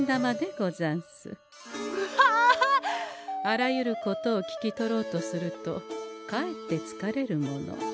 あらゆることを聞き取ろうとするとかえってつかれるもの。